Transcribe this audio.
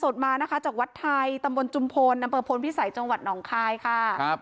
จากวัดไทยตำบลจุมพลนำประพลพิสัยจังหวัดหนองคายค่ะ